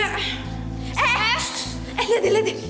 eh eh liat liat liat